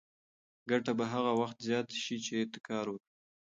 ګټه به هغه وخت زیاته شي چې ته کار وکړې.